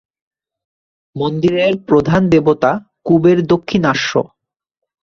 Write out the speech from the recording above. মন্দিরের প্রধান দেবতা কুবের দক্ষিণাস্য।